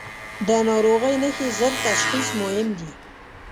د ناروغۍ نښې ژر تشخیص مهم دي.